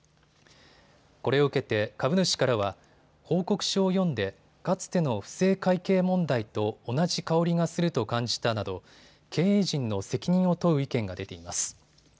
これを受けて株主からは報告書を読んでかつての不正会計問題と同じ香りがすると感じたなど経営陣の責任を問う意見が出ています。